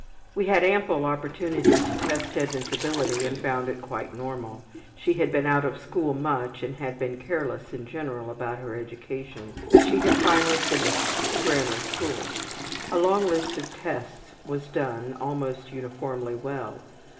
We had ample opportunity to test Edna's ability and found it quite normal. She had been out of school much and had been careless in general about her education, but she had finally finished the grammar school. A long list of tests was done almost uniformly well.